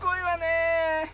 え